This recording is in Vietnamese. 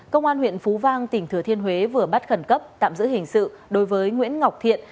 công an huyện phú vang tỉnh thừa thiên huế vừa bắt khẩn cấp tạm giữ hình sự đối với nguyễn ngọc thiện